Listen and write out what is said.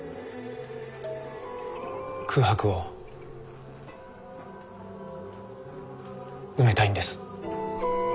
空白を埋めたいんです。